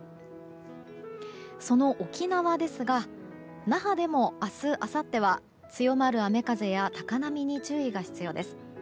その沖縄ですが那覇でも明日、あさっては強まる雨風や高波に注意が必要です。